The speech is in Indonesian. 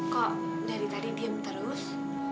kok dari tadi diem terus